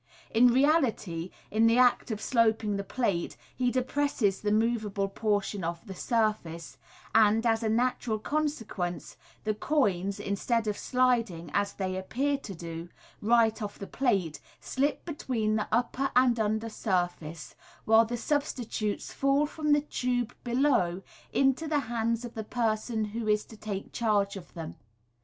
In reality, in the act of sloping the plate, he depresses the moveable portion of the surface, and, as a natural consequence, the coins, in stead of sliding, as they appear to do, right off the plate, slip betweeL the upper and under surface, while the substitutes fall from the tube below into the hands of the person who is to take charge of them.